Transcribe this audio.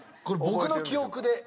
これ僕の記憶で。